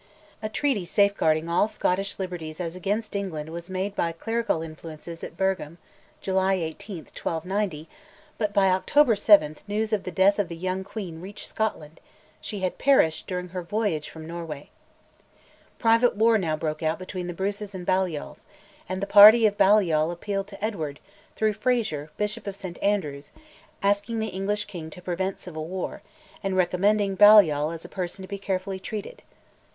A Treaty safeguarding all Scottish liberties as against England was made by clerical influences at Birgham (July 18, 1290), but by October 7 news of the death of the young queen reached Scotland: she had perished during her voyage from Norway. Private war now broke out between the Bruces and Balliols; and the party of Balliol appealed to Edward, through Fraser, Bishop of St Andrews, asking the English king to prevent civil war, and recommending Balliol as a person to be carefully treated.